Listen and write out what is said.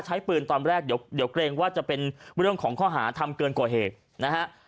ใช้ปืนตอนแรกเดี๋ยวเกรงว่าจะเป็นเรื่องของข้อหาทำเกินกว่าเหตุนะฮะ